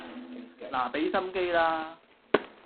嗱畀心機啦